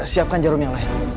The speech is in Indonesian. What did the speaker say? siapkan jarum yang lain